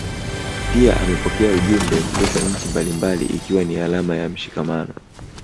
Pia amepokea ujumbe kutoka nchi mbalimbali ikiwa ni alama ya mshikamano